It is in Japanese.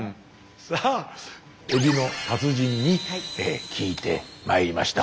さあエビの達人に聞いてまいりました。